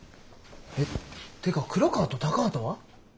えってか黒川と高畑は？